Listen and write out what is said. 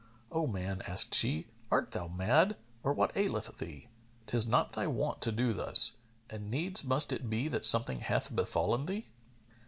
"O man," asked she, "art thou mad or what aileth thee? 'Tis not thy wont to do thus, and needs must it be that something hath befallen thee."